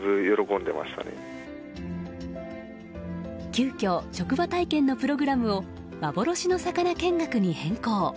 急きょ職場体験のプログラムを幻の魚見学に変更。